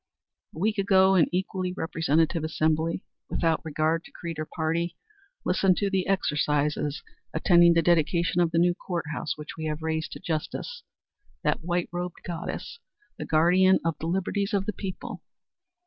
A week ago an equally representative assembly, without regard to creed or party, listened to the exercises attending the dedication of the new Court House which we have raised to Justice that white robed goddess, the guardian of the liberties of the people.